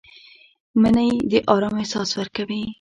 مني د آرام احساس ورکوي